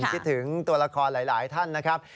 กิตถึงตัวราคอนหลายท่านนะครับ